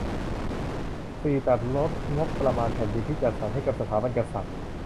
สี่ ตัดลดงบประมาณแผ่นดินที่จัดสรรให้กับสถาบันกษัตริย์